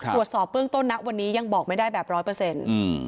ตรวจสอบเบื้องต้นนะวันนี้ยังบอกไม่ได้แบบร้อยเปอร์เซ็นต์